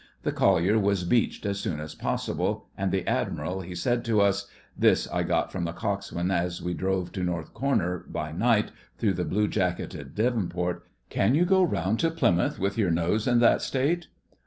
The collier was beached as soon as possible, and the Admiral he said to us (this I got from the coxswain as we drove to North Corner, by night, through blue jacketed Devonport): 'Can you go round to Plymouth with your nose in that state?